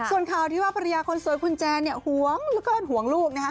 ส่วนข่าวที่ว่าภรรยาคนสวยขุนแจหวงลูก